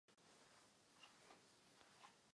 Jedna partie trvá průměrně půl hodiny.